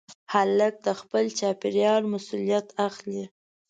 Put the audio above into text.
هلک د خپل چاپېریال مسؤلیت اخلي.